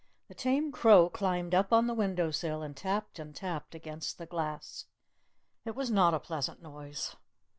The tame crow climbed up on the window sill and tapped and tapped against the glass. It was not a pleasant noise.